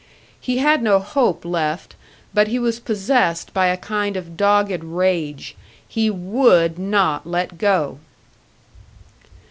He had no hope left, but he was possessed by a kind of dogged rage. He would not let go!